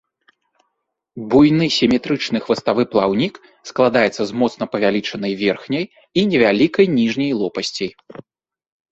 Буйны сіметрычны хваставы плаўнік складаецца з моцна павялічанай верхняй і невялікай ніжняй лопасцей.